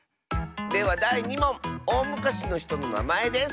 ではだい２もんおおむかしのひとのなまえです。